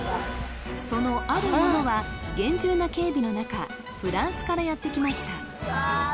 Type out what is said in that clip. そのあるものは厳重な警備の中フランスからやって来ました